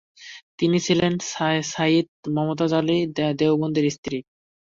তিনি ছিলেন সাইয়িদ মমতাজ আলী দেওবন্দীর স্ত্রী।